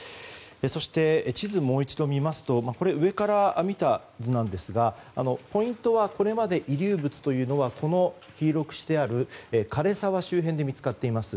そして、地図をもう一度見ますと上から見た図なんですがポイントはこれまで遺留物は黄色くしてある枯れ沢周辺で見つかっています。